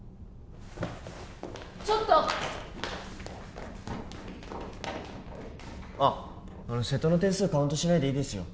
ちょっとあっ瀬戸の点数カウントしないでいいですよ